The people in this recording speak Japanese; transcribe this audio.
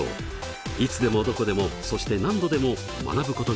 いつでもどこでもそして何度でも学ぶことができます。